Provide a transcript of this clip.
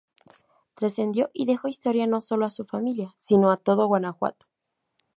Trascendió y dejo historia no solo a su Familia sino a Todo Guanajuato.